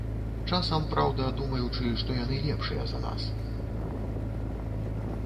Часам, праўда, думаючы, што яны лепшыя за нас.